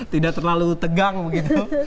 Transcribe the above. tidak terlalu tegang begitu